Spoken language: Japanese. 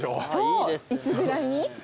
いつぐらいに？